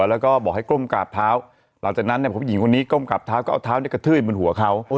แล้วก็บอกให้ก้มกราบเท้าหลังจากนั้นผู้หญิงคนนี้ก้มกราบเท้าก็เอาเท้ากระทืบบนหัวเขา